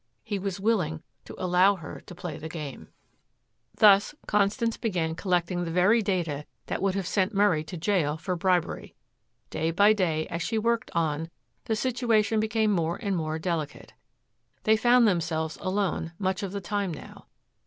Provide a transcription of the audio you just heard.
He was willing to allow her to play the game. Thus Constance began collecting the very data that would have sent Murray to jail for bribery. Day by day as she worked on, the situation became more and more delicate. They found themselves alone much of the time now.